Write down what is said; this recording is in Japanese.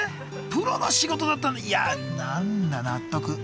プロの仕事だった何だ納得。